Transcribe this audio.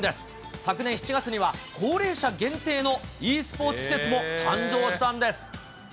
昨年７月には、高齢者限定のｅスポーツ施設も誕生したんです。